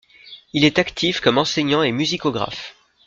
Il est actif comme enseignant et musicographe.